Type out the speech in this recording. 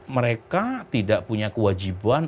mereka tidak punya kewajiban